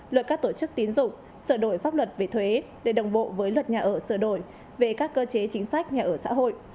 luật các tổ chức tín dụng sửa đổi pháp luật về thuế để đồng bộ với luật nhà ở sửa đổi về các cơ chế chính sách nhà ở xã hội